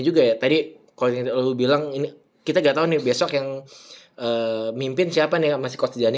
juga ya tadi kalau bilang ini kita nggak tahu nih besok yang mimpin siapa nih yang masih coach jani